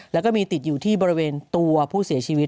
แล้วก็มีติดอยู่ที่บริเวณตัวผู้เสียชีวิต